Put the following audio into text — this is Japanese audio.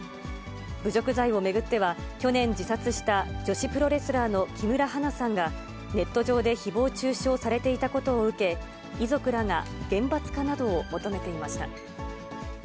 侮辱罪を巡っては、去年、自殺した女子プロレスラーの木村花さんが、ネット上でひぼう中傷されていたことを受け、遺族らが厳罰化などを求めていました。